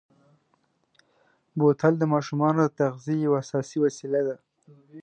بوتل د ماشومو د تغذیې یوه اساسي وسیله ده.